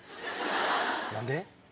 何で？